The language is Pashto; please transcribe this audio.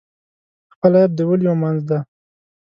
خپل عیب د ولیو منځ دی.